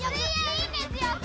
いいんですよ。